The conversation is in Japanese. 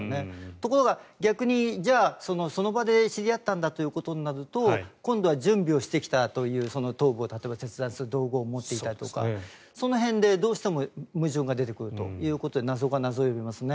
ところが逆にじゃあ、その場で知り合ったということになると今度は準備をしてきたという切断する道具を持っていたとかその辺でどうしても矛盾が出てくるということで謎が謎を呼びますね。